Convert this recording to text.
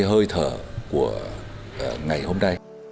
hơi thở của ngày hôm nay